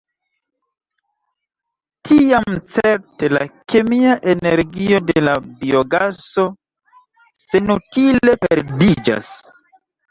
Tiam certe la kemia energio de la biogaso senutile perdiĝas.